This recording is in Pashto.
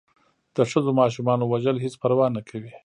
د ښځو و ماشومانو وژل هېڅ پروا نه کوي.